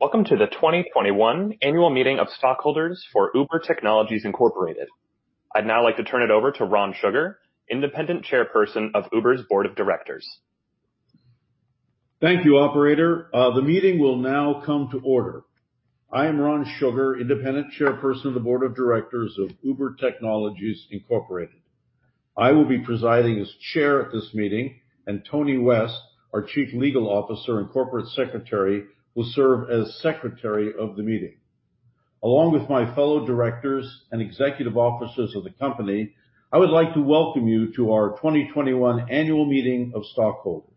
Welcome to the 2021 annual meeting of stockholders for Uber Technologies, Inc. I'd now like to turn it over to Ron Sugar, Independent Chairperson of Uber's Board of Directors. Thank you, operator. The meeting will now come to order. I am Ron Sugar, Independent Chairperson of the Board of Directors of Uber Technologies Incorporated. I will be presiding as chair at this meeting, and Tony West, our Chief Legal Officer and Corporate Secretary, will serve as secretary of the meeting. Along with my fellow directors and executive officers of the company, I would like to welcome you to our 2021 annual meeting of stockholders.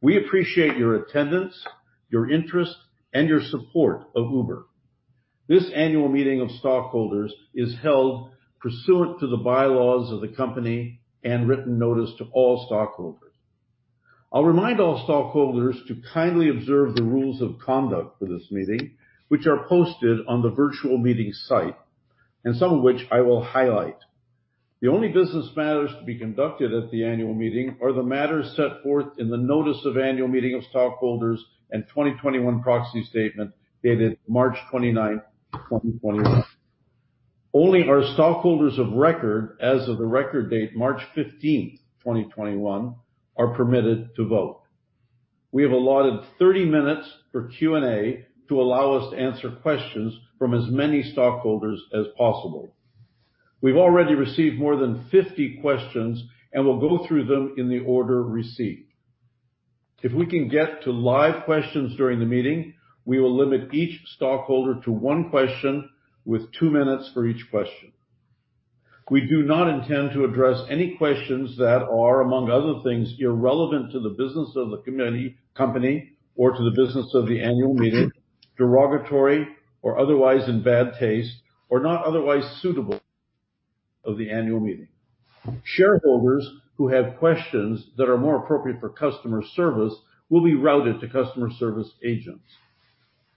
We appreciate your attendance, your interest, and your support of Uber. This annual meeting of stockholders is held pursuant to the bylaws of the company and written notice to all stockholders. I'll remind all stockholders to kindly observe the rules of conduct for this meeting, which are posted on the virtual meeting site, and some of which I will highlight. The only business matters to be conducted at the annual meeting are the matters set forth in the notice of annual meeting of stockholders and 2021 proxy statement dated March 29th, 2021. Only our stockholders of record as of the record date, March 15th, 2021, are permitted to vote. We have allotted 30 minutes for Q&A to allow us to answer questions from as many stockholders as possible. We've already received more than 50 questions, and we'll go through them in the order received. If we can get to live questions during the meeting, we will limit each stockholder to one question with two minutes for each question. We do not intend to address any questions that are, among other things, irrelevant to the business of the company or to the business of the annual meeting, derogatory or otherwise in bad taste, or not otherwise suitable of the annual meeting. Shareholders who have questions that are more appropriate for customer service will be routed to customer service agents.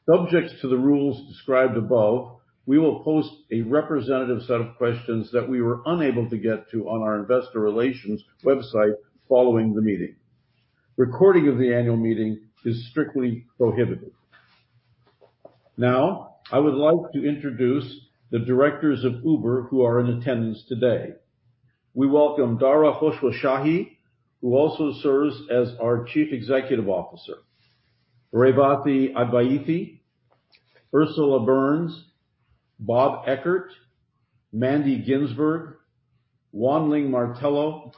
Subject to the rules described above, we will post a representative set of questions that we were unable to get to on our investor relations website following the meeting. Recording of the annual meeting is strictly prohibited. I would like to introduce the Directors of Uber who are in attendance today. We welcome Dara Khosrowshahi, who also serves as our Chief Executive Officer, Revathi Advaithi, Ursula Burns, Bob Eckert, Mandy Ginsberg, Wan Ling Martello,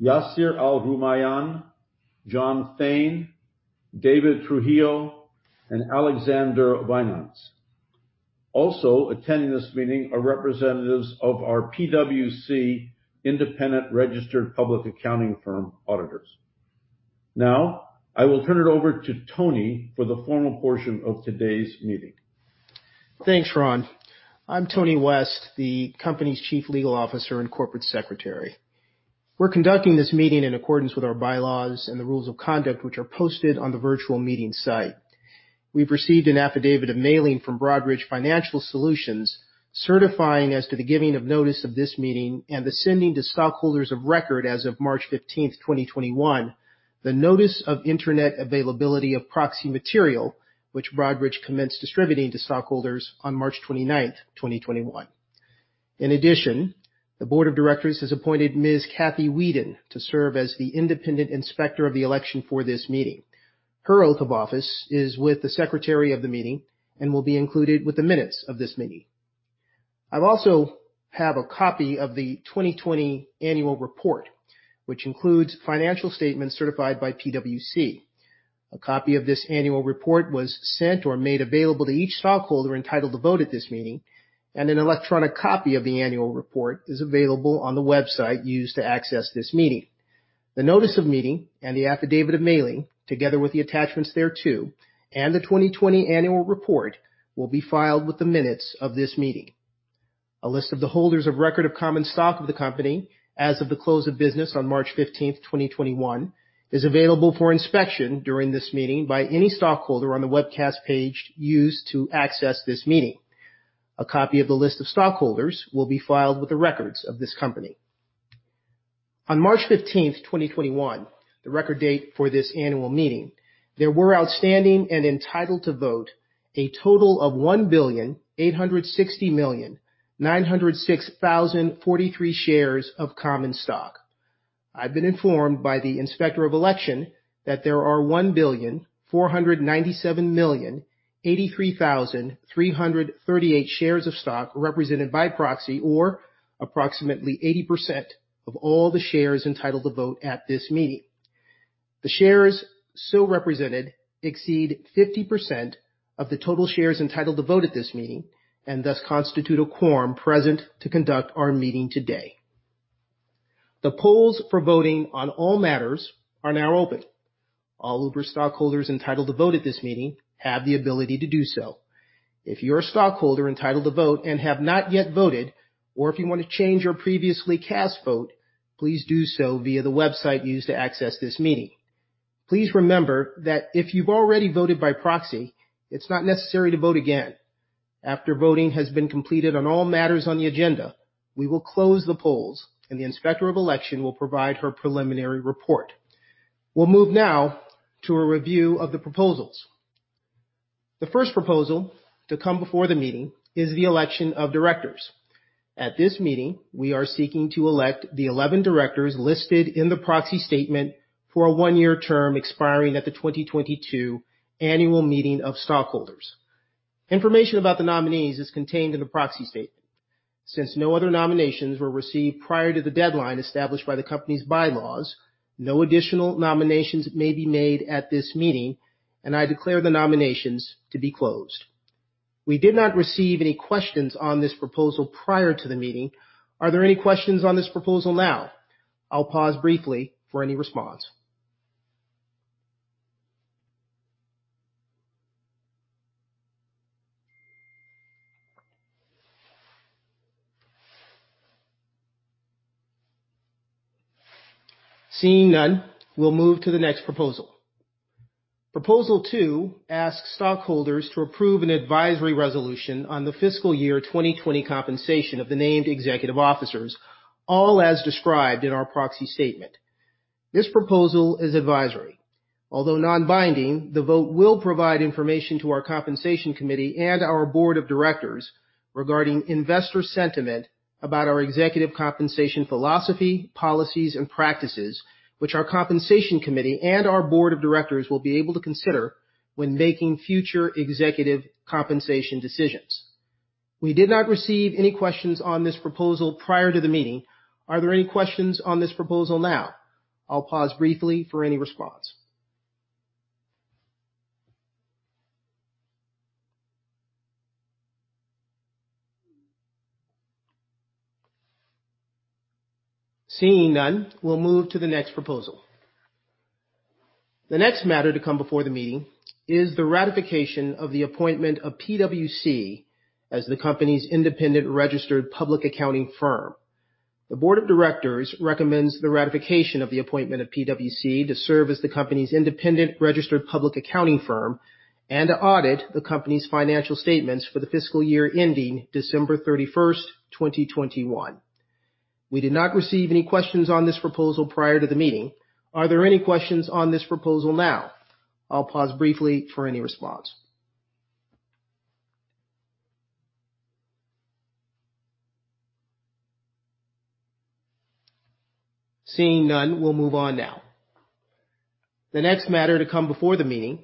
Yasir Al-Rumayyan, John Thain, David Trujillo, and Alexander Wynaendts. Also attending this meeting are representatives of our PwC independent registered public accounting firm auditors. I will turn it over to Tony for the formal portion of today's meeting. Thanks, Ron. I'm Tony West, the company's Chief Legal Officer and Corporate Secretary. We're conducting this meeting in accordance with our bylaws and the rules of conduct, which are posted on the virtual meeting site. We've received an affidavit of mailing from Broadridge Financial Solutions, certifying as to the giving of notice of this meeting and the sending to stockholders of record as of March 15th, 2021, the Notice of Internet Availability of Proxy Material, which Broadridge commenced distributing to stockholders on March 29th, 2021. In addition, the Board of Directors has appointed Ms. Kathy Weedon to serve as the Independent Inspector of the Election for this meeting. Her oath of office is with the secretary of the meeting and will be included with the minutes of this meeting. I also have a copy of the 2020 annual report, which includes financial statements certified by PwC. A copy of this annual report was sent or made available to each stockholder entitled to vote at this meeting, and an electronic copy of the annual report is available on the website used to access this meeting. The notice of meeting and the affidavit of mailing, together with the attachments thereto, and the 2020 annual report, will be filed with the minutes of this meeting. A list of the holders of record of common stock of the company as of the close of business on March 15th, 2021, is available for inspection during this meeting by any stockholder on the webcast page used to access this meeting. A copy of the list of stockholders will be filed with the records of this company. On March 15th, 2021, the record date for this annual meeting, there were outstanding and entitled to vote a total of 1,860,906,043 shares of common stock. I've been informed by the Inspector of Election that there are 1,497,083,338 shares of stock represented by proxy, or approximately 80% of all the shares entitled to vote at this meeting. The shares so represented exceed 50% of the total shares entitled to vote at this meeting, and thus constitute a quorum present to conduct our meeting today. The polls for voting on all matters are now open. All Uber stockholders entitled to vote at this meeting have the ability to do so. If you're a stockholder entitled to vote and have not yet voted, or if you want to change your previously cast vote, please do so via the website used to access this meeting. Please remember that if you've already voted by proxy, it's not necessary to vote again. After voting has been completed on all matters on the agenda, we will close the polls and the Inspector of Election will provide her preliminary report. We'll move now to a review of the proposals. The first proposal to come before the meeting is the election of directors. At this meeting, we are seeking to elect the 11 directors listed in the proxy statement for a one-year term expiring at the 2022 annual meeting of stockholders. Information about the nominees is contained in the proxy statement. Since no other nominations were received prior to the deadline established by the company's bylaws, no additional nominations may be made at this meeting, and I declare the nominations to be closed. We did not receive any questions on this proposal prior to the meeting. Are there any questions on this proposal now? I'll pause briefly for any response. Seeing none, we'll move to the next proposal. Proposal two asks stockholders to approve an advisory resolution on the fiscal year 2020 compensation of the named executive officers, all as described in our proxy statement. This proposal is advisory. Although non-binding, the vote will provide information to our Compensation Committee and our Board of Directors regarding investor sentiment about our executive compensation philosophy, policies, and practices, which our Compensation Committee and our Board of Directors will be able to consider when making future executive compensation decisions. We did not receive any questions on this proposal prior to the meeting. Are there any questions on this proposal now? I'll pause briefly for any response. Seeing none, we'll move to the next proposal. The next matter to come before the meeting is the ratification of the appointment of PwC as the company's independent registered public accounting firm. The Board of Directors recommends the ratification of the appointment of PwC to serve as the company's independent registered public accounting firm and to audit the company's financial statements for the fiscal year ending December 31st, 2021. We did not receive any questions on this proposal prior to the meeting. Are there any questions on this proposal now? I'll pause briefly for any response. Seeing none, we'll move on now. The next matter to come before the meeting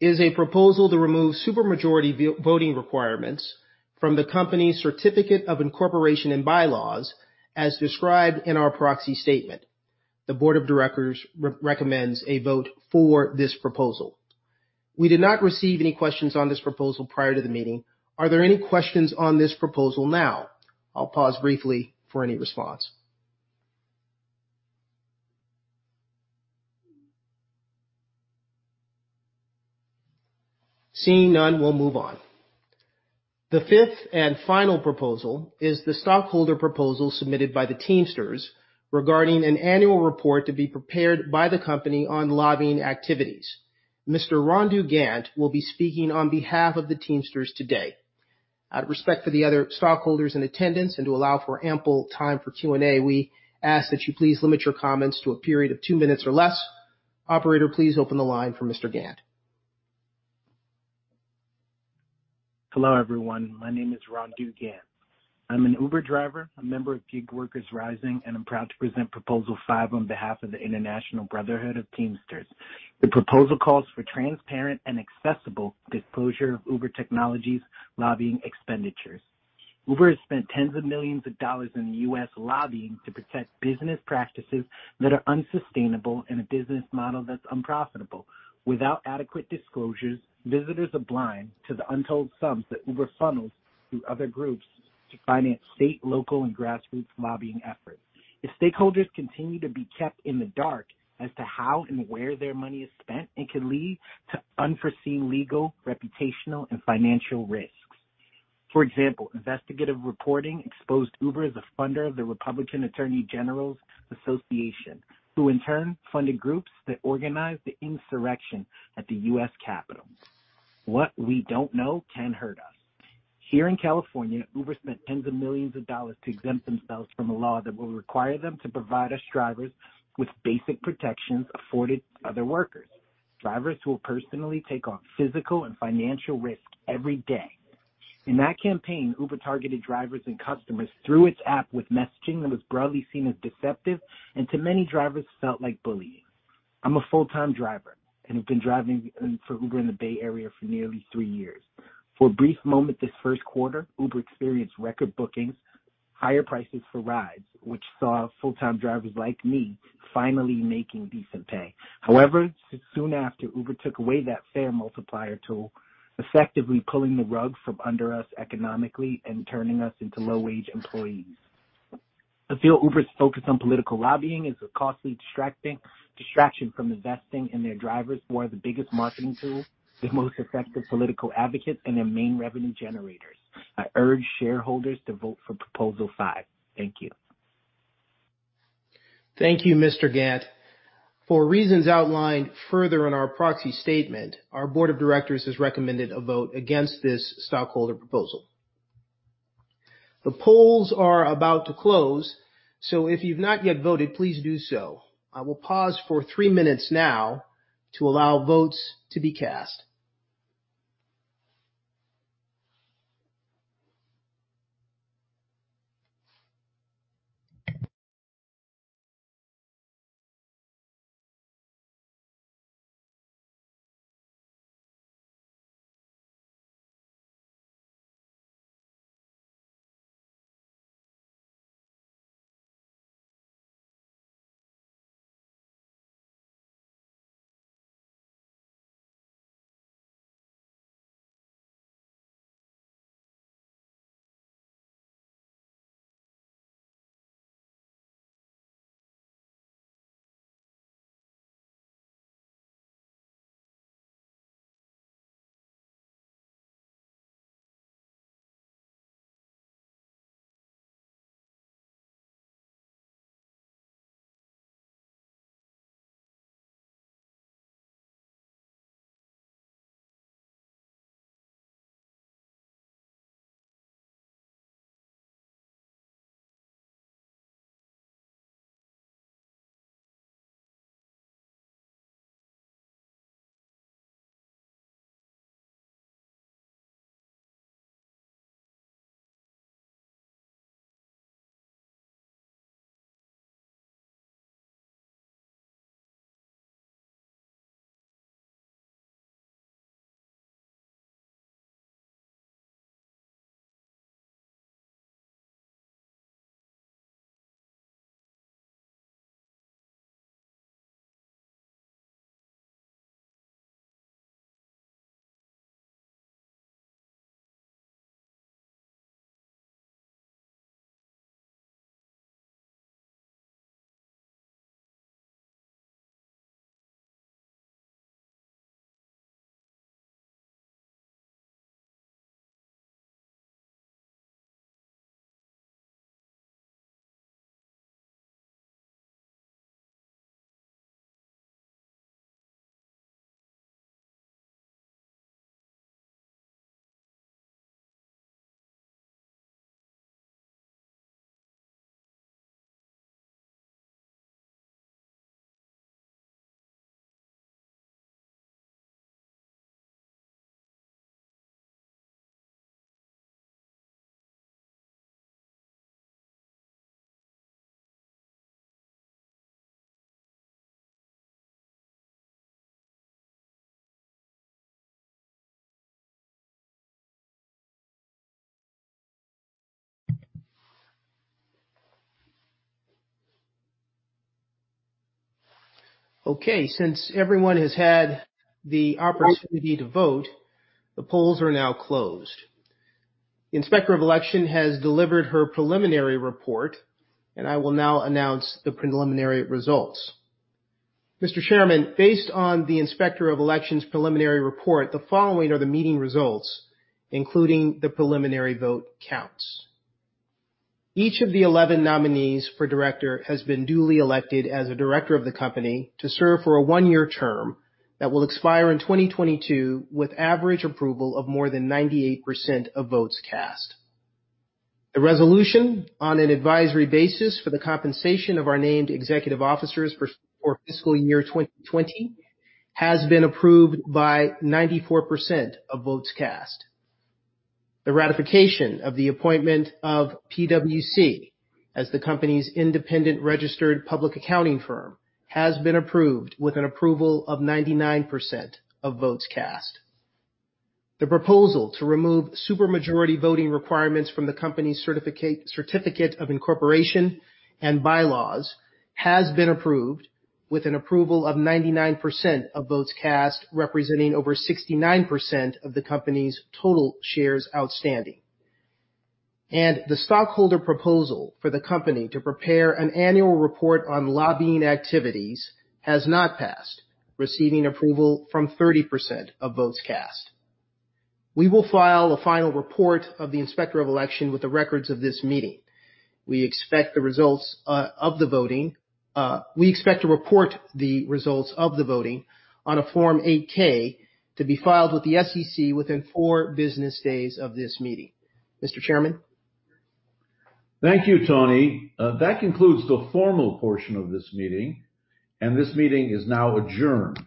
is a proposal to remove super majority voting requirements from the company's certificate of incorporation and bylaws, as described in our proxy statement. The Board of Directors recommends a vote for this proposal. We did not receive any questions on this proposal prior to the meeting. Are there any questions on this proposal now? I'll pause briefly for any response. Seeing none, we'll move on. The fifth and final proposal is the stockholder proposal submitted by the Teamsters regarding an annual report to be prepared by the company on lobbying activities. Mr. Rondel Gant will be speaking on behalf of the Teamsters today. Out of respect for the other stockholders in attendance and to allow for ample time for Q&A, we ask that you please limit your comments to a period of two minutes or less. Operator, please open the line for Mr. Gant. Hello, everyone. My name is Rondel Gant. I'm an Uber driver, a member of Gig Workers Rising, and I'm proud to present proposal five on behalf of the International Brotherhood of Teamsters. The proposal calls for transparent and accessible disclosure of Uber Technologies' lobbying expenditures. Uber has spent tens of millions of dollars in the U.S. lobbying to protect business practices that are unsustainable and a business model that's unprofitable. Without adequate disclosures, visitors are blind to the untold sums that Uber funnels through other groups to finance state, local, and grassroots lobbying efforts. If stakeholders continue to be kept in the dark as to how and where their money is spent, it could lead to unforeseen legal, reputational, and financial risks. For example, investigative reporting exposed Uber as a funder of the Republican Attorneys General Association, who in turn funded groups that organized the insurrection at the U.S. Capitol. What we don't know can hurt us. Here in California, Uber spent tens of millions of dollars to exempt themselves from a law that will require them to provide us drivers with basic protections afforded to other workers. Drivers who will personally take on physical and financial risk every day. In that campaign, Uber targeted drivers and customers through its app with messaging that was broadly seen as deceptive and to many drivers felt like bullying. I'm a full-time driver and have been driving for Uber in the Bay Area for nearly three years. For a brief moment this first quarter, Uber experienced record bookings, higher prices for rides, which saw full-time drivers like me finally making decent pay. Soon after, Uber took away that fare multiplier tool, effectively pulling the rug from under us economically and turning us into low-wage employees. I feel Uber's focus on political lobbying is a costly distraction from investing in their drivers who are the biggest marketing tool, the most effective political advocate, and their main revenue generators. I urge shareholders to vote for proposal five. Thank you. Thank you, Mr. Gant. For reasons outlined further in our proxy statement, our Board of Directors has recommended a vote against this stockholder proposal. The polls are about to close. If you've not yet voted, please do so. I will pause for three minutes now to allow votes to be cast. Okay. Since everyone has had the opportunity to vote, the polls are now closed. The Inspector of Election has delivered her preliminary report. I will now announce the preliminary results. Mr. Chairman, based on the Inspector of Election's preliminary report, the following are the meeting results, including the preliminary vote counts. Each of the 11 nominees for director has been duly elected as a director of the company to serve for a one-year term that will expire in 2022 with average approval of more than 98% of votes cast. The resolution on an advisory basis for the compensation of our named executive officers for fiscal year 2020 has been approved by 94% of votes cast. The ratification of the appointment of PwC as the company's independent registered public accounting firm has been approved with an approval of 99% of votes cast. The proposal to remove super majority voting requirements from the company's certificate of incorporation and bylaws has been approved with an approval of 99% of votes cast, representing over 69% of the company's total shares outstanding. The stockholder proposal for the company to prepare an annual report on lobbying activities has not passed, receiving approval from 30% of votes cast. We will file a final report of the Inspector of Election with the records of this meeting. We expect to report the results of the voting on a Form 8-K to be filed with the SEC within four business days of this meeting. Mr. Chairman? Thank you, Tony. That concludes the formal portion of this meeting, and this meeting is now adjourned.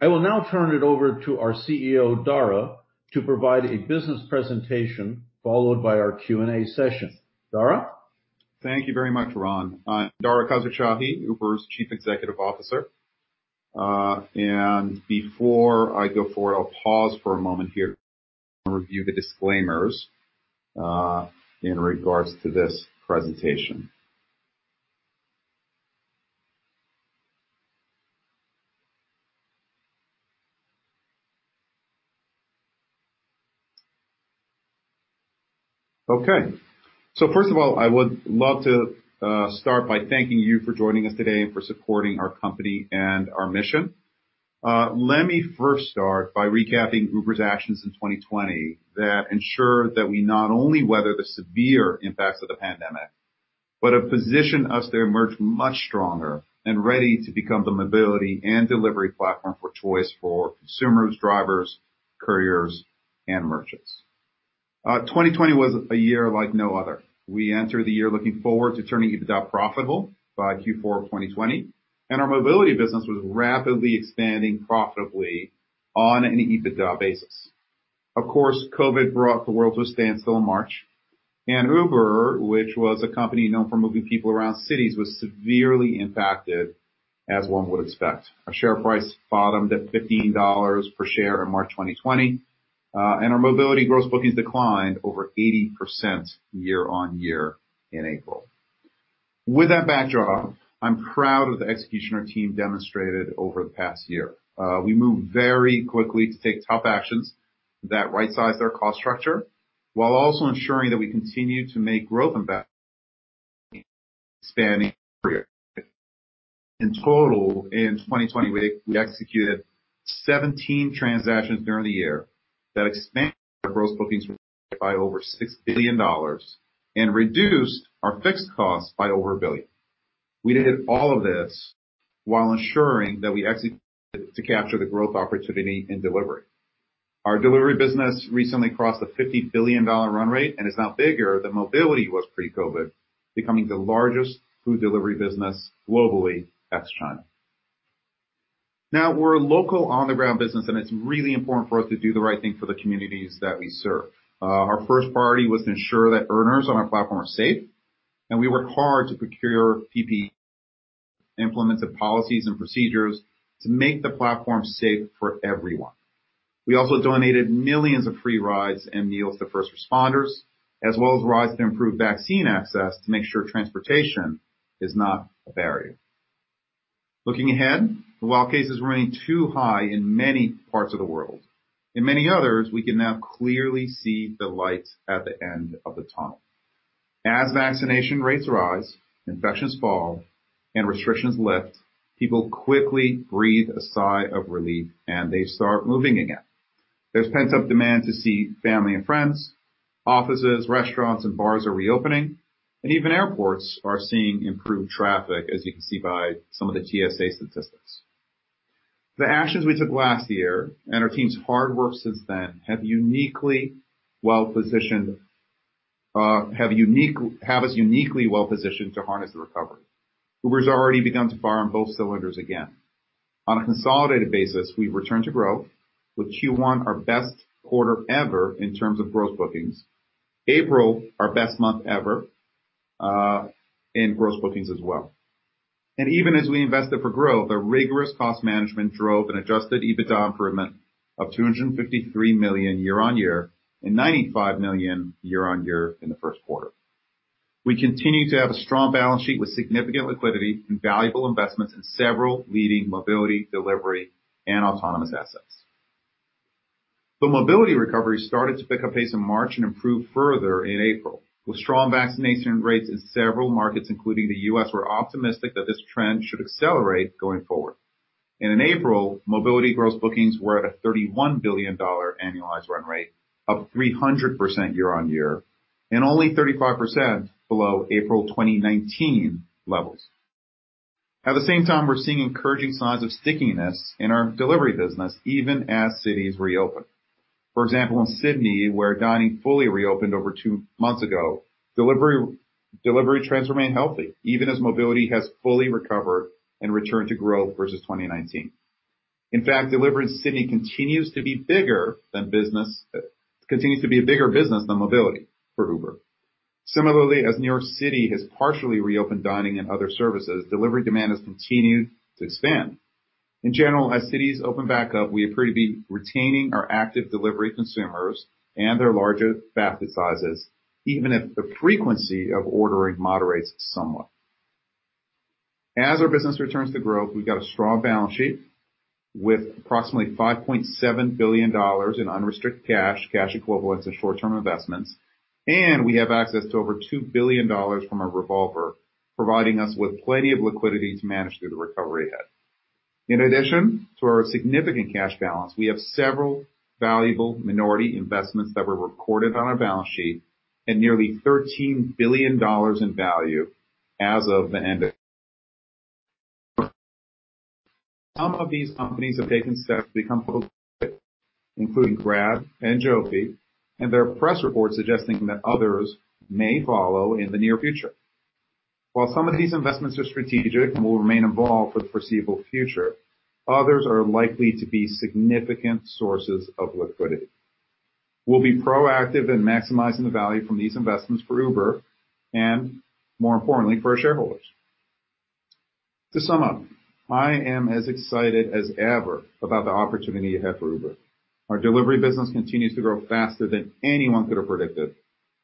I will now turn it over to our CEO, Dara, to provide a business presentation, followed by our Q&A session. Dara? Thank you very much, Ron. Dara Khosrowshahi, Uber's Chief Executive Officer. Before I go forward, I'll pause for a moment here and review the disclaimers in regards to this presentation. First of all, I would love to start by thanking you for joining us today and for supporting our company and our mission. Let me first start by recapping Uber's actions in 2020 that ensure that we not only weather the severe impacts of the pandemic, but have positioned us to emerge much stronger and ready to become the mobility and delivery platform for choice for consumers, drivers, couriers, and merchants. 2020 was a year like no other. We entered the year looking forward to turning EBITDA profitable by Q4 of 2020, and our mobility business was rapidly expanding profitably on an EBITDA basis. Of course, COVID brought the world to a standstill in March, and Uber, which was a company known for moving people around cities, was severely impacted, as one would expect. Our share price bottomed at $15 per share in March 2020, and our mobility gross bookings declined over 80% year-on-year in April. With that backdrop, I'm proud of the execution our team demonstrated over the past year. We moved very quickly to take tough actions that right-sized our cost structure, while also ensuring that we continue to make growth investments, expanding. In total, in 2020, we executed 17 transactions during the year that expanded our gross bookings by over $6 billion and reduced our fixed costs by over $1 billion. We did all of this while ensuring that we executed to capture the growth opportunity in delivery. Our delivery business recently crossed the $50 billion run rate and is now bigger than mobility was pre-COVID, becoming the largest food delivery business globally ex China. We're a local on-the-ground business, and it's really important for us to do the right thing for the communities that we serve. Our first priority was to ensure that earners on our platform are safe, and we work hard to procure PPE, implements, and policies and procedures to make the platform safe for everyone. We also donated millions of free rides and meals to first responders, as well as rides to improve vaccine access to make sure transportation is not a barrier. Looking ahead, while cases remain too high in many parts of the world, in many others, we can now clearly see the light at the end of the tunnel. As vaccination rates rise, infections fall, and restrictions lift, people quickly breathe a sigh of relief, and they start moving again. There's pent-up demand to see family and friends. Offices, restaurants, and bars are reopening, and even airports are seeing improved traffic, as you can see by some of the TSA statistics. The actions we took last year, and our team's hard work since then, have us uniquely well-positioned to harness the recovery. Uber has already begun to fire on both cylinders again. On a consolidated basis, we've returned to growth, with Q1 our best quarter ever in terms of gross bookings. April was our best month ever in gross bookings as well. Even as we invested for growth, our rigorous cost management drove an adjusted EBITDA improvement of $253 million year-on-year and $95 million year-on-year in the first quarter. We continue to have a strong balance sheet with significant liquidity and valuable investments in several leading mobility, delivery, and autonomous assets. The mobility recovery started to pick up pace in March and improved further in April. With strong vaccination rates in several markets, including the U.S., we're optimistic that this trend should accelerate going forward. In April, mobility gross bookings were at a $31 billion annualized run rate, up 300% year-on-year, and only 35% below April 2019 levels. At the same time, we're seeing encouraging signs of stickiness in our delivery business, even as cities reopen. For example, in Sydney, where dining fully reopened over two months ago, delivery trends remain healthy, even as mobility has fully recovered and returned to growth versus 2019. In fact, delivery in Sydney continues to be a bigger business than mobility for Uber. Similarly, as New York City has partially reopened dining and other services, delivery demand has continued to expand. In general, as cities open back up, we appear to be retaining our active delivery consumers and their larger basket sizes, even if the frequency of ordering moderates somewhat. As our business returns to growth, we've got a strong balance sheet with approximately $5.7 billion in unrestricted cash equivalents, and short-term investments. We have access to over $2 billion from our revolver, providing us with plenty of liquidity to manage through the recovery ahead. In addition to our significant cash balance, we have several valuable minority investments that were recorded on our balance sheet at nearly $13 billion in value as of the end. Some of these companies have taken steps to become including Grab and Joby, and there are press reports suggesting that others may follow in the near future. While some of these investments are strategic and will remain involved for the foreseeable future, others are likely to be significant sources of liquidity. We'll be proactive in maximizing the value from these investments for Uber and, more importantly, for our shareholders. To sum up, I am as excited as ever about the opportunity ahead for Uber. Our delivery business continues to grow faster than anyone could have predicted,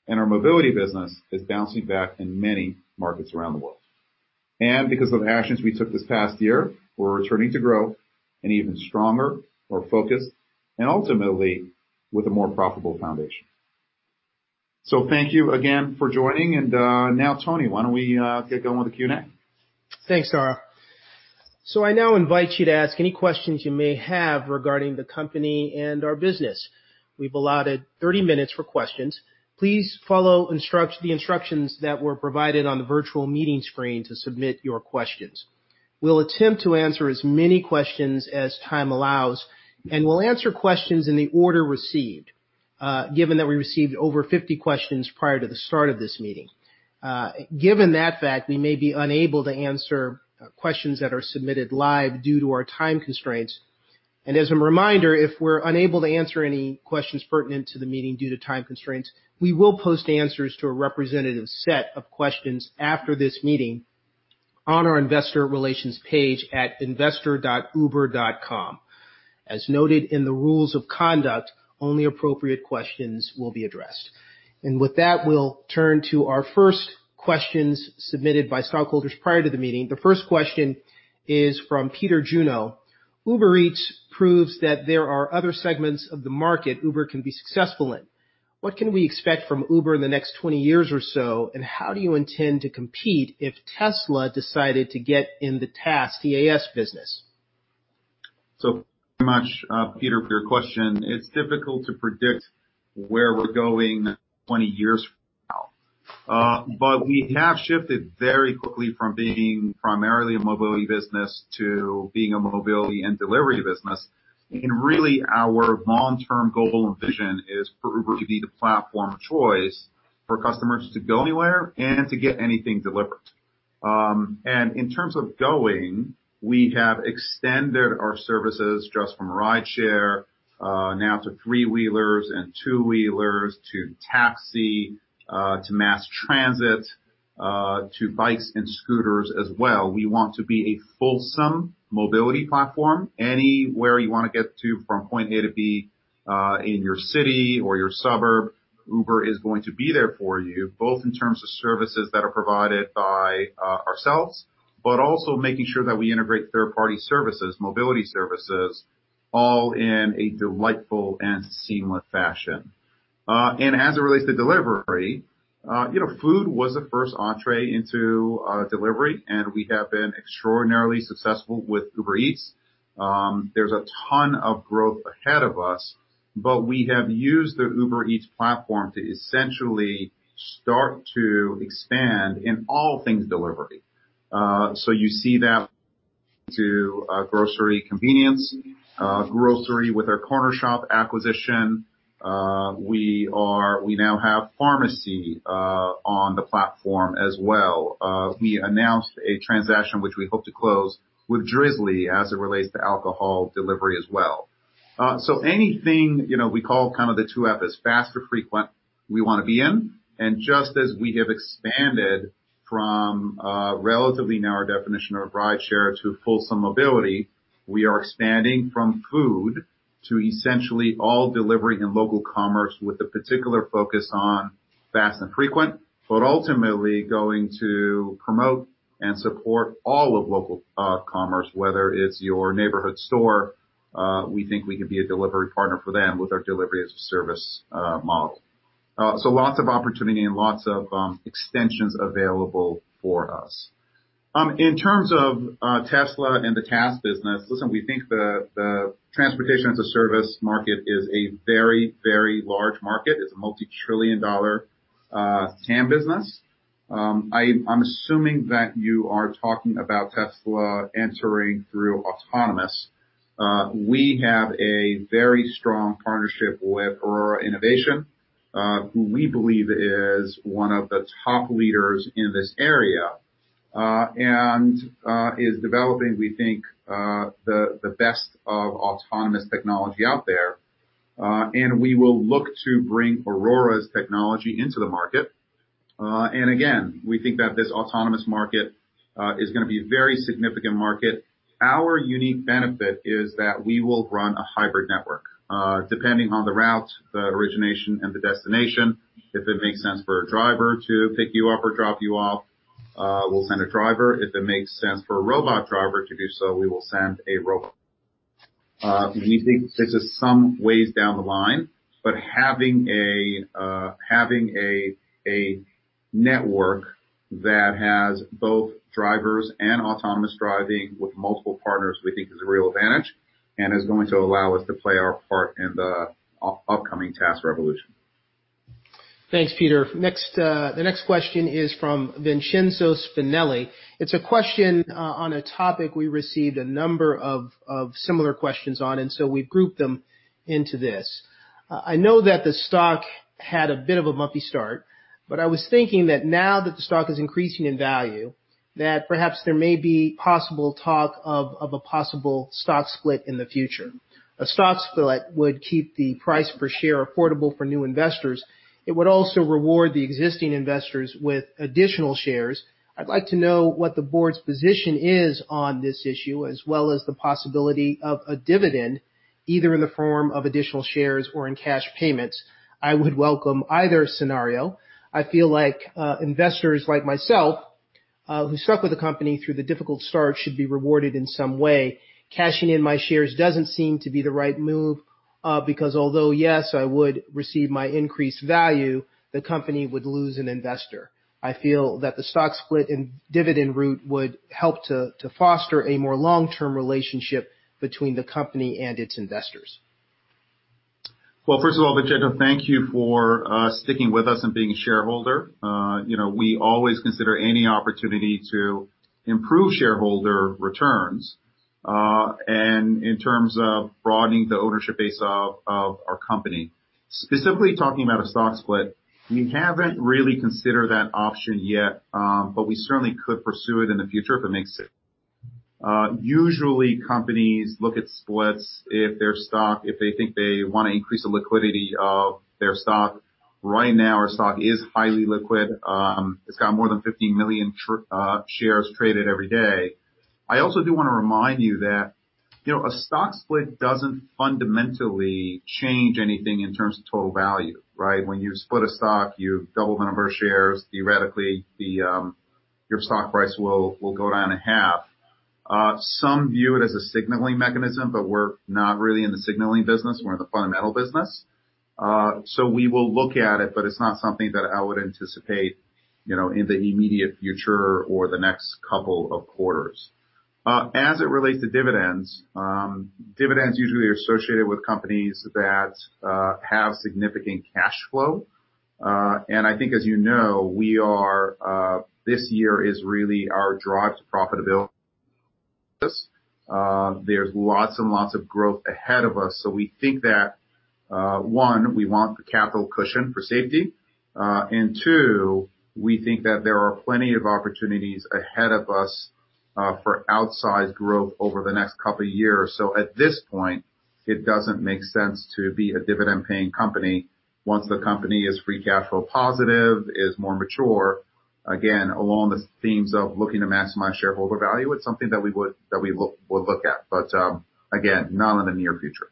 and our mobility business is bouncing back in many markets around the world. Because of the actions we took this past year, we're returning to growth and even stronger, more focused, and ultimately, with a more profitable foundation. Thank you again for joining, and now, Tony, why don't we get going with the Q&A? I now invite you to ask any questions you may have regarding the company and our business. We've allotted 30 minutes for questions. Please follow the instructions that were provided on the virtual meeting screen to submit your questions. We'll attempt to answer as many questions as time allows, and we'll answer questions in the order received. Given that we received over 50 questions prior to the start of this meeting, we may be unable to answer questions that are submitted live due to our time constraints. As a reminder, if we're unable to answer any questions pertinent to the meeting due to time constraints, we will post answers to a representative set of questions after this meeting on our investor relations page at investor.uber.com. As noted in the rules of conduct, only appropriate questions will be addressed. With that, we'll turn to our first questions submitted by stockholders prior to the meeting. The first question is from Peter Juno. Uber Eats proves that there are other segments of the market Uber can be successful in. What can we expect from Uber in the next 20 years or so, and how do you intend to compete if Tesla decided to get in the TaaS, T-a-a-S business? Much, Peter, for your question. It's difficult to predict where we're going 20 years from now. We have shifted very quickly from being primarily a mobility business to being a mobility and delivery business. Really, our long-term goal and vision is for Uber to be the platform of choice for customers to go anywhere and to get anything delivered. In terms of going, we have extended our services just from rideshare, now to three-wheelers and two-wheelers, to taxi, to mass transit, to bikes and scooters as well. We want to be a fulsome mobility platform. Anywhere you want to get to from point A to B, in your city or your suburb, Uber is going to be there for you, both in terms of services that are provided by ourselves, but also making sure that we integrate third-party services, mobility services, all in a delightful and seamless fashion. As it relates to delivery, food was the first entree into delivery, and we have been extraordinarily successful with Uber Eats. There's a ton of growth ahead of us, but we have used the Uber Eats platform to essentially start to expand in all things delivery. You see that to grocery convenience, grocery with our Cornershop acquisition. We now have pharmacy on the platform as well. We announced a transaction which we hope to close with Drizly as it relates to alcohol delivery as well. Anything, we call kind of the two F as fast or frequent, we want to be in. Just as we have expanded from a relatively narrow definition of rideshare to fulsome mobility, we are expanding from food to essentially all delivery and local commerce with a particular focus on fast and frequent, but ultimately going to promote and support all of local commerce, whether it's your neighborhood store, we think we can be a delivery partner for them with our delivery as a service model. Lots of opportunity and lots of extensions available for us. In terms of Tesla and the TaaS business, listen, we think the Transportation-as-a-Service market is a very, very large market. It's a multi-trillion-dollar TAM business. I'm assuming that you are talking about Tesla entering through autonomous. We have a very strong partnership with Aurora Innovation, who we believe is one of the top leaders in this area, and is developing, we think, the best of autonomous technology out there. We will look to bring Aurora's technology into the market. Again, we think that this autonomous market is going to be a very significant market. Our unique benefit is that we will run a hybrid network, depending on the route, the origination, and the destination. If it makes sense for a driver to pick you up or drop you off, we'll send a driver. If it makes sense for a robot driver to do so, we will send a robot. We think this is some ways down the line, but having a network that has both drivers and autonomous driving with multiple partners, we think is a real advantage and is going to allow us to play our part in the upcoming TaaS revolution. Thanks, Peter. The next question is from Vincenzo Spinelli. It's a question on a topic we received a number of similar questions on. We've grouped them into this. I know that the stock had a bit of a bumpy start. I was thinking that now that the stock is increasing in value, that perhaps there may be possible talk of a possible stock split in the future. A stock split would keep the price per share affordable for new investors. It would also reward the existing investors with additional shares. I'd like to know what the board's position is on this issue, as well as the possibility of a dividend, either in the form of additional shares or in cash payments. I would welcome either scenario. I feel like investors like myself who stuck with the company through the difficult start should be rewarded in some way. Cashing in my shares doesn't seem to be the right move, because although, yes, I would receive my increased value, the company would lose an investor. I feel that the stock split and dividend route would help to foster a more long-term relationship between the company and its investors. First of all, Vincenzo, thank you for sticking with us and being a shareholder. We always consider any opportunity to improve shareholder returns, and in terms of broadening the ownership base of our company. Specifically talking about a stock split, we haven't really considered that option yet, but we certainly could pursue it in the future if it makes sense. Usually, companies look at splits if they think they want to increase the liquidity of their stock. Right now, our stock is highly liquid. It's got more than 15 million shares traded every day. I also do want to remind you that a stock split doesn't fundamentally change anything in terms of total value, right? When you split a stock, you double the number of shares. Theoretically, your stock price will go down in half. Some view it as a signaling mechanism, but we're not really in the signaling business. We're in the fundamental business. We will look at it, but it's not something that I would anticipate in the immediate future or the next couple of quarters. As it relates to dividends usually are associated with companies that have significant cash flow. I think, as you know, this year is really our drive to profitability. There's lots and lots of growth ahead of us. We think that, one, we want the capital cushion for safety, and two, we think that there are plenty of opportunities ahead of us for outsized growth over the next couple of years. At this point, it doesn't make sense to be a dividend-paying company. Once the company is free cash flow positive, is more mature, again, along the themes of looking to maximize shareholder value, it's something that we would look at. Again, not in the near future.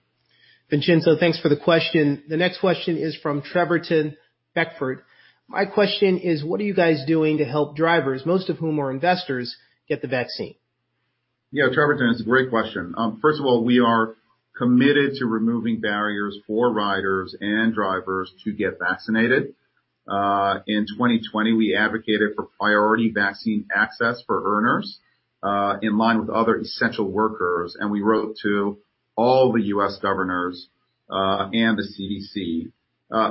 Vincenzo, thanks for the question. The next question is from Treverton Beckford. My question is, what are you guys doing to help drivers, most of whom are investors, get the vaccine? Yeah, Treverton, it's a great question. First of all, we are committed to removing barriers for riders and drivers to get vaccinated. In 2020, we advocated for priority vaccine access for earners, in line with other essential workers. We wrote to all the U.S. Governors, and the CDC.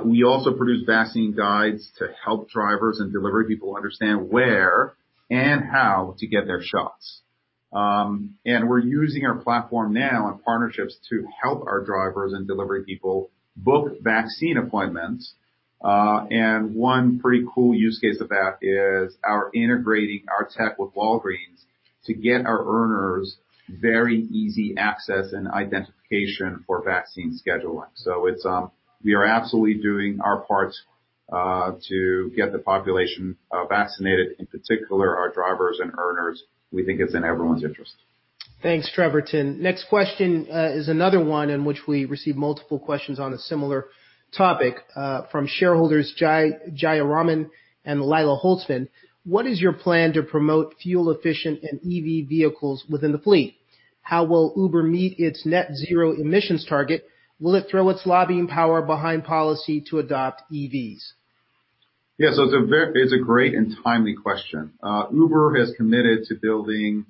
We also produced vaccine guides to help drivers and delivery people understand where and how to get their shots. We're using our platform now in partnerships to help our drivers and delivery people book vaccine appointments. One pretty cool use case of that is our integrating our tech with Walgreens to get our earners very easy access and identification for vaccine scheduling. We are absolutely doing our part to get the population vaccinated, in particular our drivers and earners. We think it's in everyone's interest. Thanks, Treverton. Next question is another one in which we received multiple questions on a similar topic from shareholders Jai Raman and Lilah Holtzman. What is your plan to promote fuel-efficient and EV vehicles within the fleet? How will Uber meet its net zero emissions target? Will it throw its lobbying power behind policy to adopt EVs? It's a great and timely question. Uber has committed to building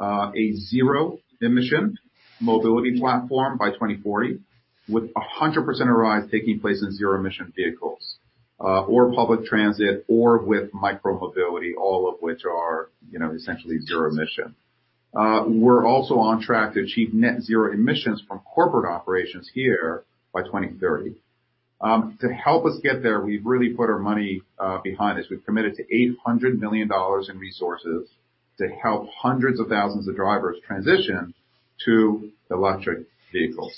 a zero-emission mobility platform by 2040, with 100% of rides taking place in zero-emission vehicles, or public transit, or with micro-mobility, all of which are essentially zero emission. We're also on track to achieve net zero emissions from corporate operations here by 2030. To help us get there, we've really put our money behind this. We've committed to $800 million in resources to help hundreds of thousands of drivers transition to electric vehicles.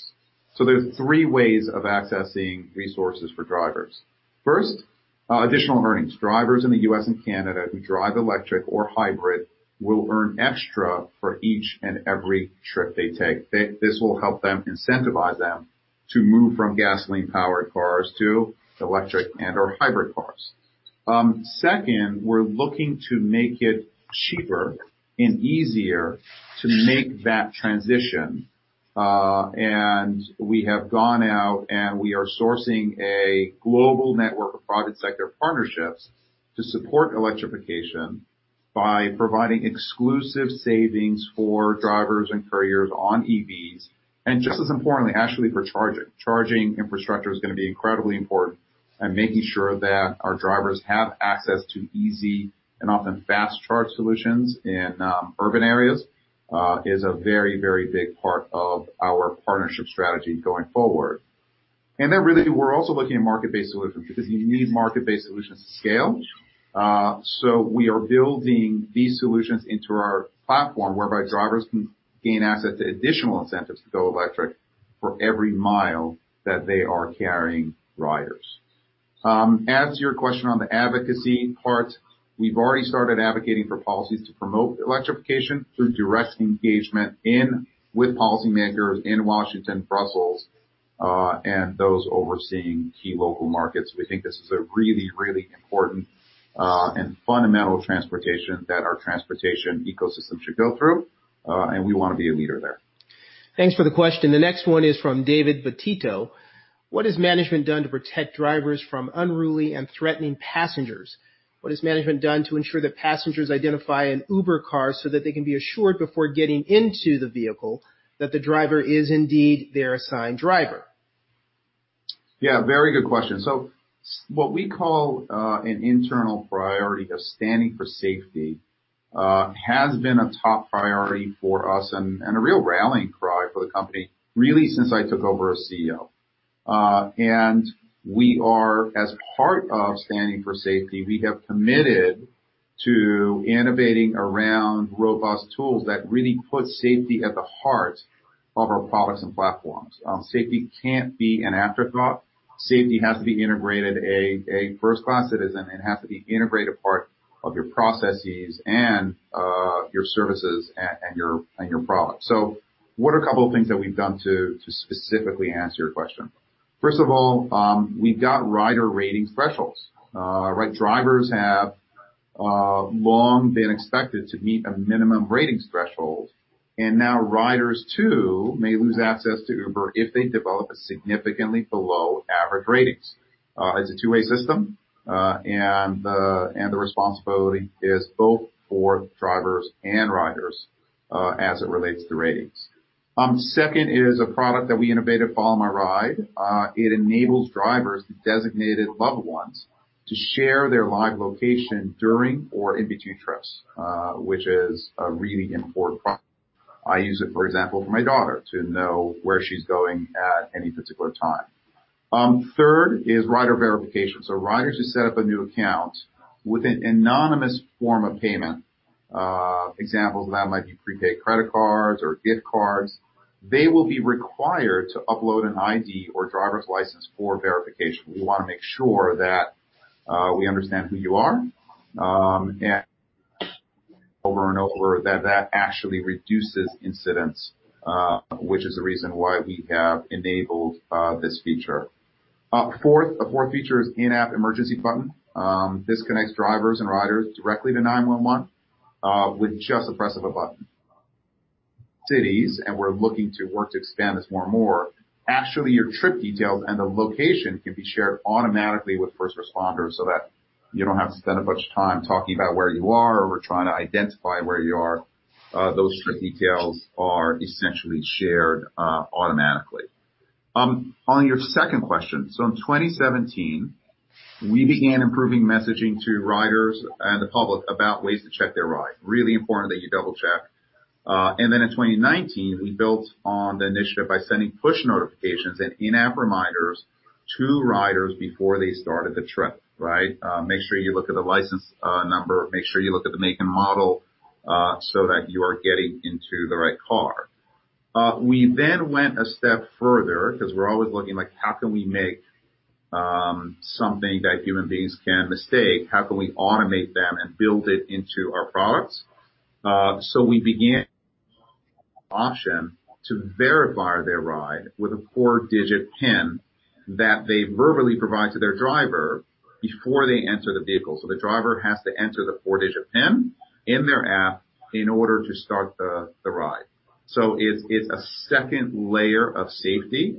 There's three ways of accessing resources for drivers. First, additional earnings. Drivers in the U.S. and Canada who drive electric or hybrid will earn extra for each and every trip they take. This will help incentivize them to move from gasoline-powered cars to electric and/or hybrid cars. Second, we're looking to make it cheaper and easier to make that transition. We have gone out, and we are sourcing a global network of private sector partnerships to support electrification by providing exclusive savings for drivers and couriers on EVs, and just as importantly, actually, for charging. Charging infrastructure is going to be incredibly important, and making sure that our drivers have access to easy and often fast charge solutions in urban areas, is a very, very big part of our partnership strategy going forward. Really, we're also looking at market-based solutions because you need market-based solutions to scale. We are building these solutions into our platform whereby drivers can gain access to additional incentives to go electric for every mile that they are carrying riders. As to your question on the advocacy part, we've already started advocating for policies to promote electrification through direct engagement with policymakers in Washington, Brussels and those overseeing key local markets. We think this is a really, really important and fundamental transportation that our transportation ecosystem should go through, and we want to be a leader there. Thanks for the question. The next one is from David Battito. What has management done to protect drivers from unruly and threatening passengers? What has management done to ensure that passengers identify an Uber car so that they can be assured before getting into the vehicle that the driver is indeed their assigned driver? Yeah, very good question. What we call an internal priority of Standing for Safety has been a top priority for us and a real rallying cry for the company, really since I took over as CEO. As part of Standing for Safety, we have committed to innovating around robust tools that really put safety at the heart of our products and platforms. Safety can't be an afterthought. Safety has to be integrated, a first-class citizen, and has to be integrated part of your processes and your services and your products. What are a couple of things that we've done to specifically answer your question? First of all, we've got rider rating thresholds. Drivers have long been expected to meet a minimum ratings threshold, and now riders, too, may lose access to Uber if they develop a significantly below-average ratings. It's a two-way system, and the responsibility is both for drivers and riders as it relates to ratings. Second is a product that we innovated, Follow My Ride. It enables drivers to designate loved ones to share their live location during or in between trips, which is a really important product. I use it, for example, for my daughter to know where she's going at any particular time. Third is rider verification. Riders who set up a new account with an anonymous form of payment, examples of that might be prepaid credit cards or gift cards, they will be required to upload an ID or driver's license for verification. We want to make sure that we understand who you are, and over and over, that that actually reduces incidents, which is the reason why we have enabled this feature. Fourth feature is in-app emergency button. This connects drivers and riders directly to 911 with just the press of a button. Cities, we're looking to work to expand this more and more. Actually, your trip details and the location can be shared automatically with first responders so that you don't have to spend a bunch of time talking about where you are or trying to identify where you are. Those trip details are essentially shared automatically. On your second question. In 2017, we began improving messaging to riders and the public about ways to check their ride. Really important that you double-check. Then in 2019, we built on the initiative by sending push notifications and in-app reminders to riders before they started the trip. Make sure you look at the license number, make sure you look at the make and model so that you are getting into the right car. We went a step further because we're always looking like, how can we make something that human beings can mistake, how can we automate them and build it into our products? We began the option to verify their ride with a four-digit PIN that they verbally provide to their driver before they enter the vehicle. The driver has to enter the four-digit PIN in their app in order to start the ride. It's a second layer of safety,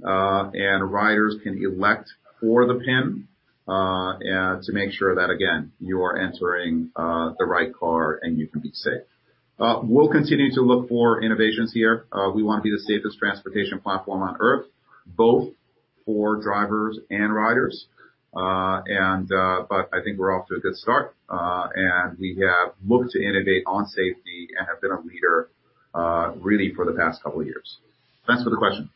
and riders can elect for the PIN to make sure that, again, you are entering the right car and you can be safe. We'll continue to look for innovations here. We want to be the safest transportation platform on Earth, both for drivers and riders. I think we're off to a good start. We have looked to innovate on safety and have been a leader really for the past couple of years. Thanks for the question.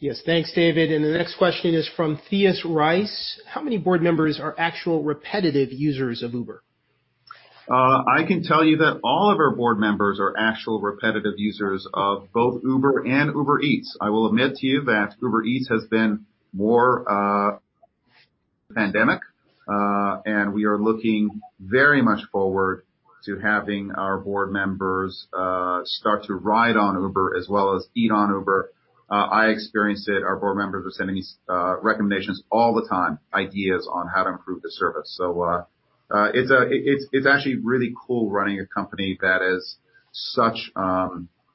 Yes. Thanks, David. The next question is from Theus Rice. How many board members are actual repetitive users of Uber? I can tell you that all of our board members are actual repetitive users of both Uber and Uber Eats. I will admit to you that Uber Eats has been more pandemic, and we are looking very much forward to having our board members start to ride on Uber as well as eat on Uber. I experience it. Our board members are sending recommendations all the time, ideas on how to improve the service. It's actually really cool running a company that is such a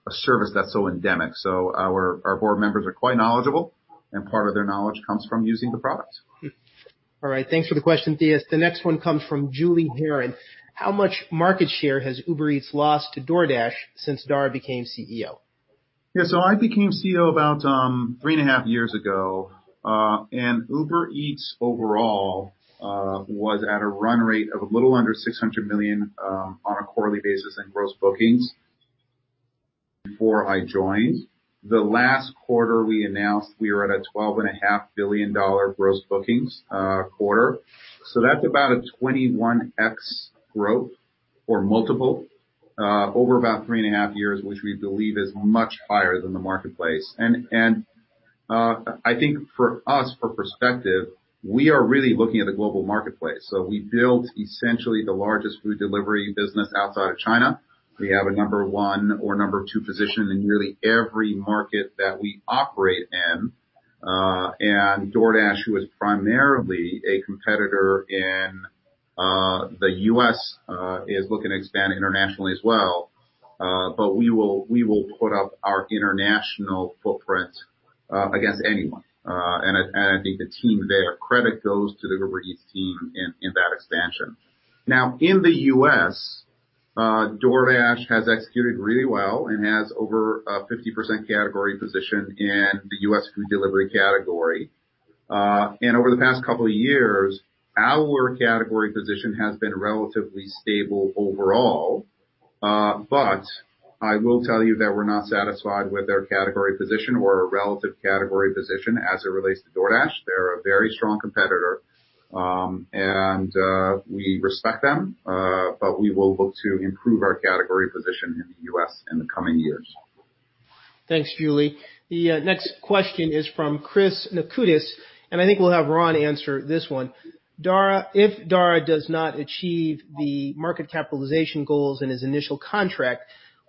service that's so endemic. Our board members are quite knowledgeable, and part of their knowledge comes from using the product. All right. Thanks for the question, Theus Rice. The next one comes from Julie Heron. How much market share has Uber Eats lost to DoorDash since Dara became CEO? Yeah. I became CEO about three and a half years ago. Uber Eats overall was at a run rate of a little under $600 million on a quarterly basis in gross bookings before I joined. The last quarter, we announced we were at a $12.5 billion gross bookings quarter. That's about a 21x growth or multiple over about 3.5 Years, which we believe is much higher than the marketplace. I think for us, for perspective, we are really looking at the global marketplace. We built essentially the largest food delivery business outside of China. We have a number one or number two position in nearly every market that we operate in. DoorDash, who is primarily a competitor in the U.S., is looking to expand internationally as well. We will put up our international footprint against anyone. I think the team there, credit goes to the Uber Eats team in that expansion. In the U.S., DoorDash has executed really well and has over a 50% category position in the U.S. food delivery category. Over the past couple of years, our category position has been relatively stable overall. I will tell you that we're not satisfied with our category position or our relative category position as it relates to DoorDash. They're a very strong competitor, and we respect them, but we will look to improve our category position in the U.S. in the coming years. Thanks, Julie. The next question is from Chris Nakutis. I think we'll have Ron answer this one. If Dara does not achieve the market capitalization goals in his initial contract,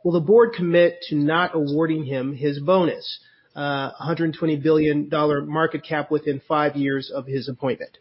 will the board commit to not awarding him his bonus, $120 billion market cap within five years of his appointment?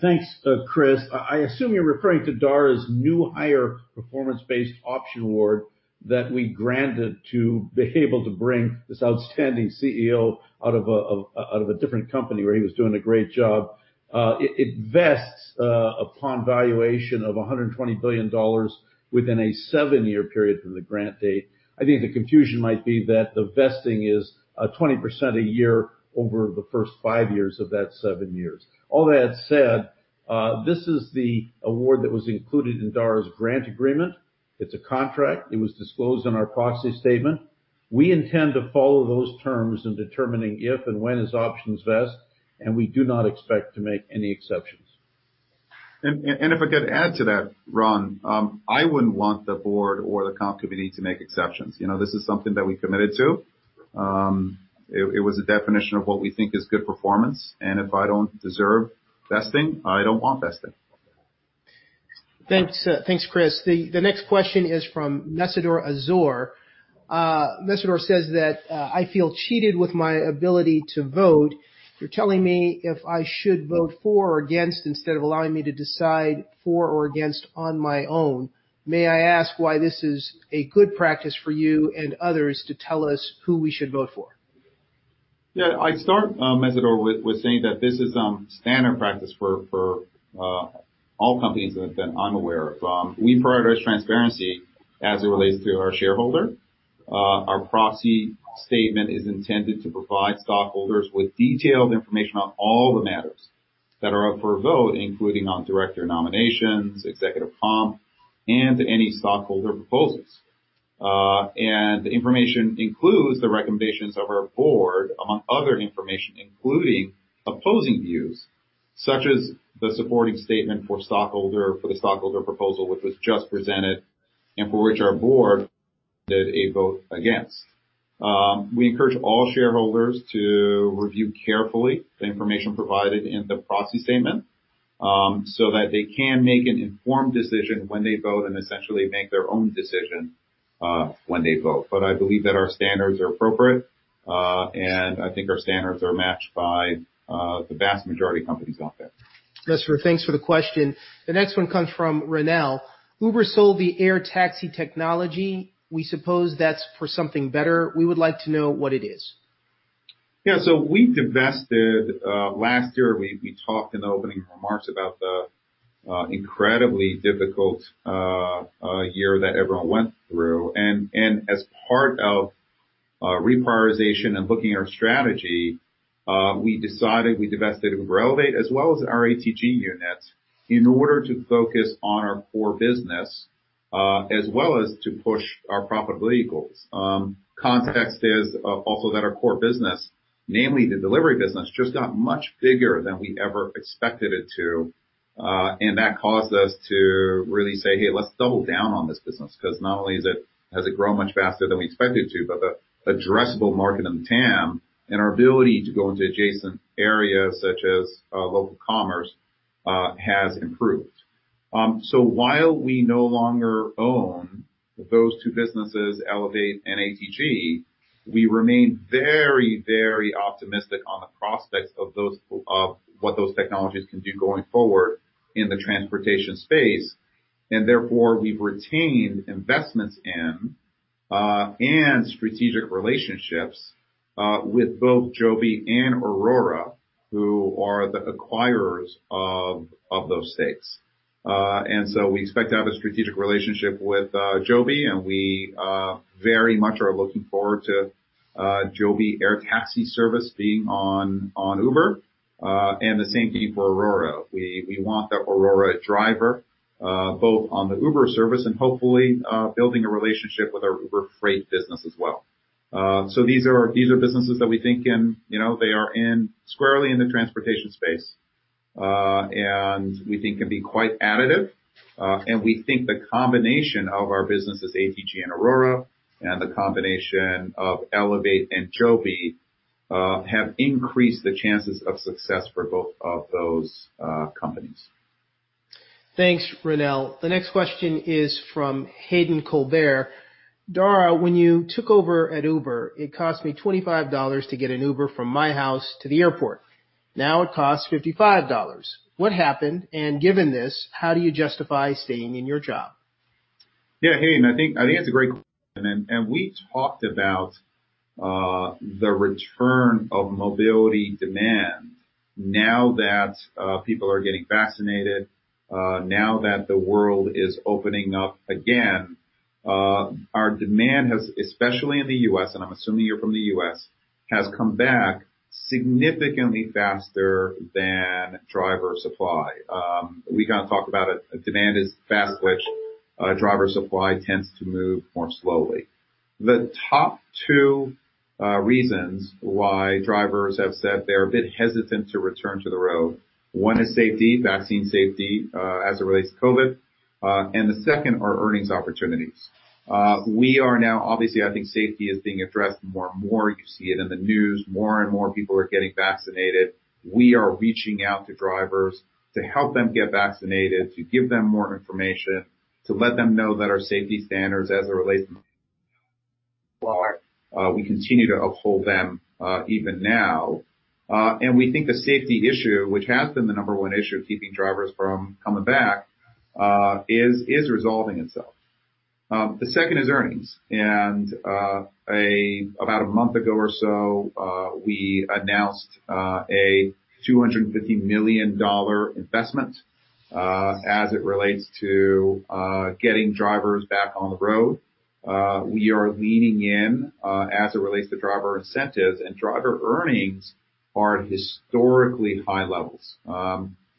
Thanks, Chris. I assume you're referring to Dara's new hire performance-based option award that we granted to be able to bring this outstanding CEO out of a different company where he was doing a great job. It vests upon valuation of $120 billion within a seven-year period from the grant date. I think the confusion might be that the vesting is 20% a year over the first five years of that seven years. All that said, this is the award that was included in Dara's grant agreement. It's a contract. It was disclosed in our proxy statement. We intend to follow those terms in determining if and when his options vest, and we do not expect to make any exceptions. If I could add to that, Ron, I wouldn't want the Board or the Comp Committee to make exceptions. This is something that we committed to. It was a definition of what we think is good performance. If I don't deserve vesting, I don't want vesting. Thanks, Chris. The next question is from Mesidor Azor. Mesidor says that, "I feel cheated with my ability to vote. You're telling me if I should vote for or against instead of allowing me to decide for or against on my own. May I ask why this is a good practice for you and others to tell us who we should vote for? Yeah. I'd start, Mesidor, with saying that this is standard practice for all companies that I'm aware of. We prioritize transparency as it relates to our shareholder. Our proxy statement is intended to provide stockholders with detailed information on all the matters that are up for a vote, including on director nominations, executive comp, and any stockholder proposals. The information includes the recommendations of our Board, among other information, including opposing views, such as the supporting statement for the stockholder proposal, which was just presented, and for which our Board did a vote against. We encourage all shareholders to review carefully the information provided in the proxy statement, so that they can make an informed decision when they vote and essentially make their own decision when they vote. I believe that our standards are appropriate, and I think our standards are matched by the vast majority of companies out there. Mesidor, thanks for the question. The next one comes from Ronelle. Uber sold the air taxi technology. We suppose that's for something better. We would like to know what it is. Yeah. We divested. Last year, we talked in opening remarks about the incredibly difficult year that everyone went through. As part of reprioritization and looking at our strategy, we decided we divested Uber Elevate as well as our ATG unit in order to focus on our core business, as well as to push our profitability goals. Context is also that our core business, namely the delivery business, just got much bigger than we ever expected it to. That caused us to really say, "Hey, let's double down on this business," because not only has it grown much faster than we expected it to, but the addressable market in the TAM and our ability to go into adjacent areas such as local commerce, has improved. While we no longer own those two businesses, Elevate and ATG, we remain very optimistic on the prospects of what those technologies can do going forward in the transportation space. Therefore, we've retained investments in and strategic relationships with both Joby and Aurora, who are the acquirers of those stakes. We expect to have a strategic relationship with Joby, and we very much are looking forward to Joby air taxi service being on Uber. The same thing for Aurora. We want the Aurora Driver both on the Uber service and hopefully building a relationship with our Uber Freight business as well. These are businesses that we think can-- They are squarely in the transportation space, and we think can be quite additive. We think the combination of our businesses, ATG and Aurora, and the combination of Uber Elevate and Joby Aviation, have increased the chances of success for both of those companies. Thanks, Ronelle. The next question is from Hayden Colbert. "Dara, when you took over at Uber, it cost me $25 to get an Uber from my house to the airport. Now it costs $55. What happened? Given this, how do you justify staying in your job? Yeah, Hayden, I think that's a great question. We talked about the return of mobility demand now that people are getting vaccinated, now that the world is opening up again. Our demand has, especially in the U.S., I'm assuming you're from the U.S., has come back significantly faster than driver supply. We kind of talk about it, demand is fast, which driver supply tends to move more slowly. The top two reasons why drivers have said they're a bit hesitant to return to the road, one is safety, vaccine safety, as it relates to COVID. The second are earnings opportunities. We are now, obviously, I think safety is being addressed more and more. You see it in the news, more and more people are getting vaccinated. We are reaching out to drivers to help them get vaccinated, to give them more information, to let them know that our safety standards as it relates to we continue to uphold them, even now. We think the safety issue, which has been the number one issue keeping drivers from coming back, is resolving itself. The second is earnings. About a month ago or so, we announced a $250 million investment, as it relates to getting drivers back on the road. We are leaning in, as it relates to driver incentives. Driver earnings are at historically high levels.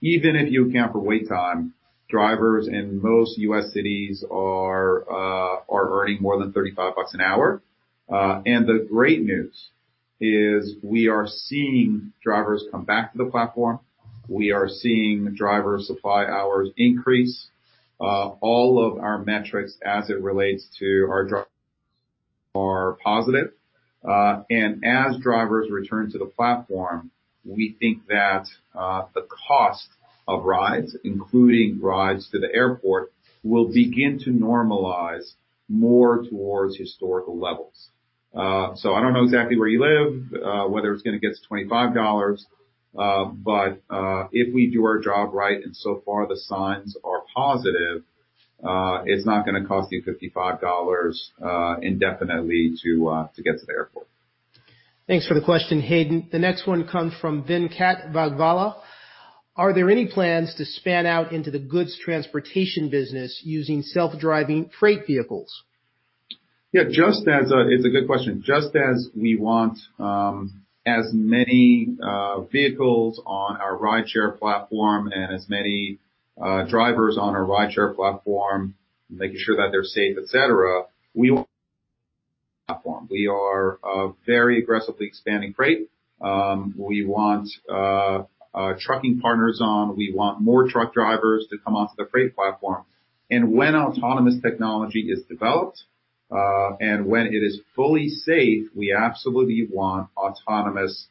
Even if you account for wait time, drivers in most U.S. cities are earning more than $35 an hour. The great news is we are seeing drivers come back to the platform. We are seeing driver supply hours increase. All of our metrics as it relates to our drivers are positive. As drivers return to the platform, we think that the cost of rides, including rides to the airport, will begin to normalize more towards historical levels. I don't know exactly where you live, whether it's going to get to $25, but if we do our job right, and so far the signs are positive, it's not going to cost you $55 indefinitely to get to the airport. Thanks for the question, Hayden. The next one comes from Venkat Vagvala: "Are there any plans to span out into the goods transportation business using self-driving freight vehicles? Yeah, it's a good question. Just as we want as many vehicles on our rideshare platform and as many drivers on our rideshare platform, making sure that they're safe, et cetera, we want platform. We are very aggressively expanding Freight. We want trucking partners on, we want more truck drivers to come onto the Freight platform. When autonomous technology is developed, and when it is fully safe, we absolutely want autonomous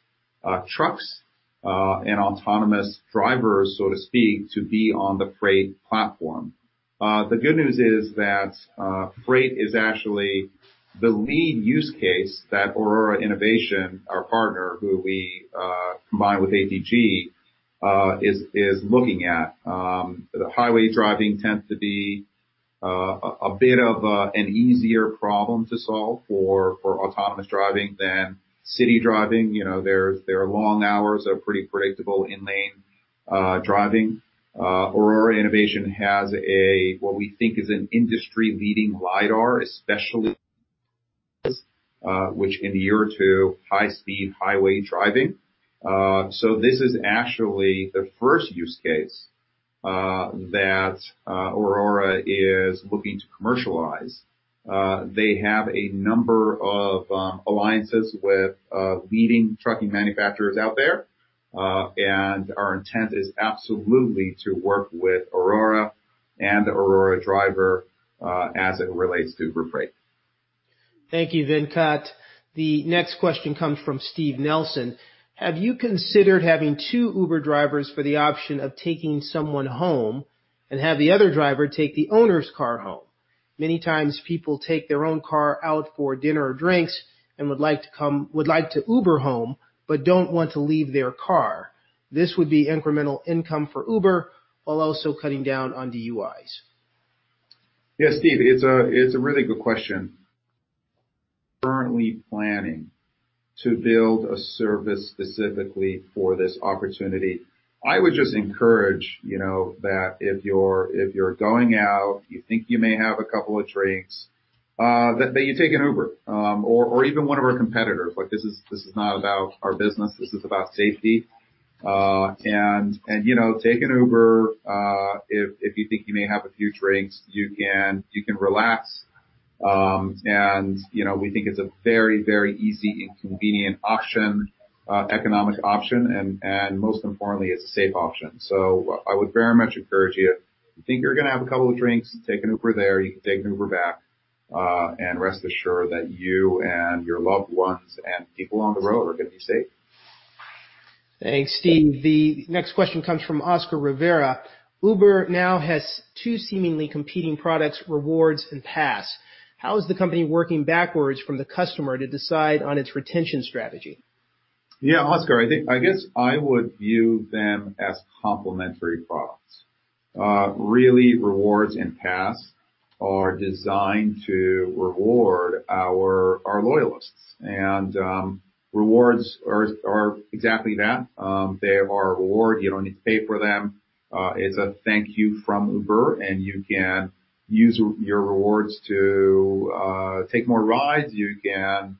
trucks, and autonomous drivers, so to speak, to be on the Freight platform. The good news is that Freight is actually the lead use case that Aurora Innovation, our partner, who we combined with ATG, is looking at. The highway driving tends to be a bit of an easier problem to solve for autonomous driving than city driving. There are long hours of pretty predictable in-lane driving. Aurora Innovation has a, what we think is an industry-leading lidar, especially which in a year or two, high-speed highway driving. This is actually the first use case that Aurora is looking to commercialize. They have a number of alliances with leading trucking manufacturers out there. Our intent is absolutely to work with Aurora and Aurora Driver, as it relates to Uber Freight. Thank you, Venkat. The next question comes from Steve Nelson: "Have you considered having two Uber drivers for the option of taking someone home and have the other driver take the owner's car home? Many times people take their own car out for dinner or drinks and would like to Uber home, but don't want to leave their car. This would be incremental income for Uber while also cutting down on DUIs. Yeah, Steve, it's a really good question. Currently planning to build a service specifically for this opportunity. I would just encourage that if you're going out, you think you may have a couple of drinks, that you take an Uber, or even one of our competitors. This is not about our business, this is about safety. Take an Uber, if you think you may have a few drinks. You can relax, and we think it's a very, very easy and convenient option, economic option, and most importantly, it's a safe option. I would very much encourage you, if you think you're going to have a couple of drinks, take an Uber there, you can take an Uber back, and rest assured that you and your loved ones and people on the road are going to be safe. Thanks, Steve. The next question comes from Oscar Rivera. Uber now has two seemingly competing products, Rewards and Pass. How is the company working backwards from the customer to decide on its retention strategy? Yeah, Oscar, I guess I would view them as complementary products. Really, Uber Rewards and Uber Pass are designed to reward our loyalists. Uber Rewards are exactly that. They are a reward. You don't need to pay for them. It's a thank you from Uber, and you can use your Uber Rewards to take more rides. You can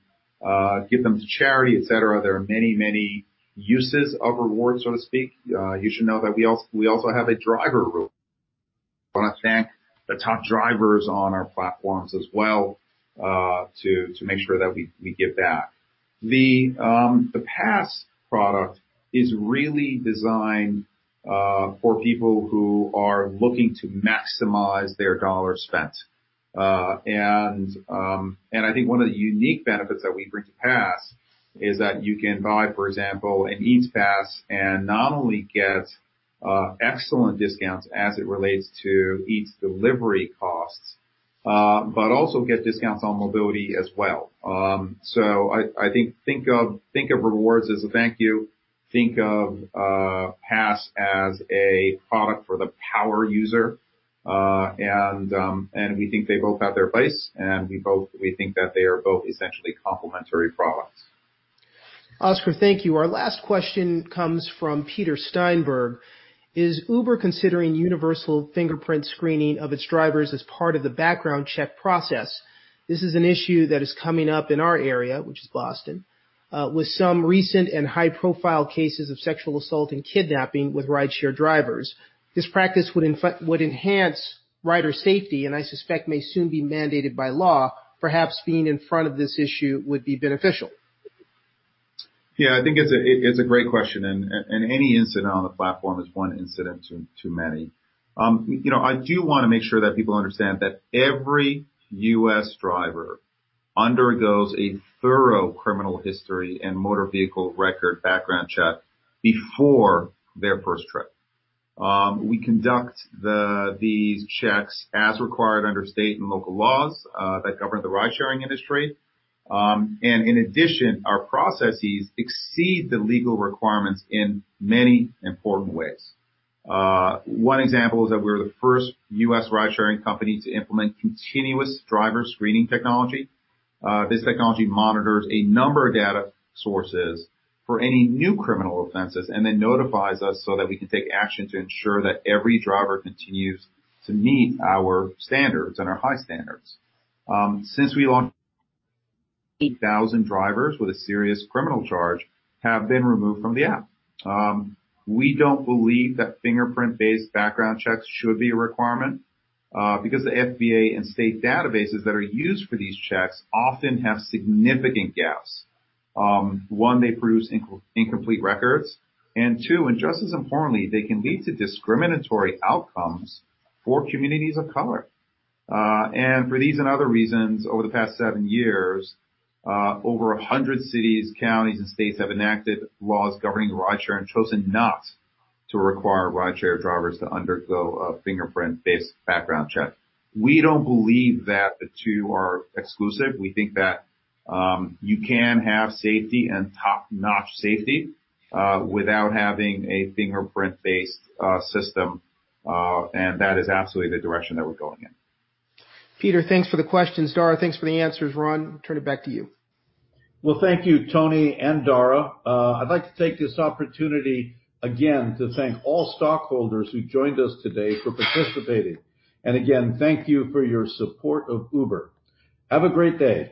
give them to charity, et cetera. There are many, many uses of Uber Rewards, so to speak. You should know that we also have a driver rule. We want to thank the top drivers on our platforms as well, to make sure that we give back. The Uber Pass product is really designed for people who are looking to maximize their dollar spent. I think one of the unique benefits that we bring to Pass is that you can buy, for example, an Eats Pass and not only get excellent discounts as it relates to Eats delivery costs, but also get discounts on mobility as well. I think of Rewards as a thank you. Think of Pass as a product for the power user. We think they both have their place, and we think that they are both essentially complementary products. Oscar, thank you. Our last question comes from Peter Steinberg. Is Uber considering universal fingerprint screening of its drivers as part of the background check process? This is an issue that is coming up in our area, which is Boston, with some recent and high-profile cases of sexual assault and kidnapping with rideshare drivers. This practice would enhance rider safety, and I suspect may soon be mandated by law. Perhaps being in front of this issue would be beneficial. Yeah, I think it's a great question, and any incident on the platform is one incident too many. I do want to make sure that people understand that every U.S. driver undergoes a thorough criminal history and motor vehicle record background check before their first trip. We conduct these checks as required under state and local laws that govern the ridesharing industry. In addition, our processes exceed the legal requirements in many important ways. One example is that we're the first U.S. ridesharing company to implement continuous driver screening technology. This technology monitors a number of data sources for any new criminal offenses and then notifies us so that we can take action to ensure that every driver continues to meet our standards and our high standards. Since we launched, 8,000 drivers with a serious criminal charge have been removed from the app. We don't believe that fingerprint-based background checks should be a requirement because the FBI and state databases that are used for these checks often have significant gaps. One, they produce incomplete records, and two, and just as importantly, they can lead to discriminatory outcomes for communities of color. For these and other reasons, over the past seven years, over 100 cities, counties, and states have enacted laws governing rideshare and chosen not to require rideshare drivers to undergo a fingerprint-based background check. We don't believe that the two are exclusive. We think that you can have safety and top-notch safety without having a fingerprint-based system, and that is absolutely the direction that we're going in. Peter, thanks for the questions. Dara, thanks for the answers. Ron, turn it back to you. Well, thank you, Tony and Dara. I'd like to take this opportunity again to thank all stockholders who joined us today for participating. Again, thank you for your support of Uber. Have a great day.